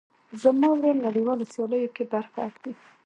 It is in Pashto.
زما ورور نړيوالو سیاليو کې برخه اخلي.